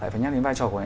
phải nhắc đến vai trò